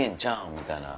みたいな。